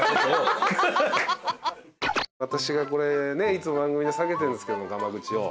私がこれねいつも番組で下げてるんですけどがま口を。